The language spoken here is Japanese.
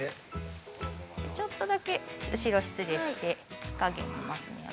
ちょっとだけ、後ろ失礼して火かげん見ますね。